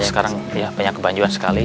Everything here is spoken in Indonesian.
sekarang banyak kebanjuan sekali